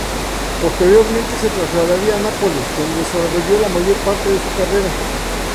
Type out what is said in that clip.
Posteriormente se trasladaría a Nápoles, donde desarrolló la mayor parte de su carrera.